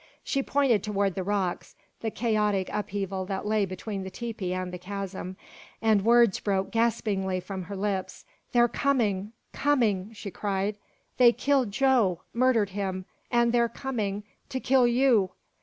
She pointed toward the rocks the chaotic upheaval that lay between the tepee and the chasm and words broke gaspingly from her lips. "They're coming! coming!" she cried. "They killed Joe murdered him and they're coming to kill you!"